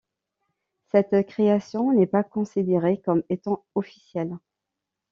Cette création n'est pas considérée comme étant officielle.